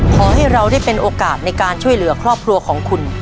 ขอให้เราได้เป็นโอกาสในการช่วยเหลือครอบครัวของคุณ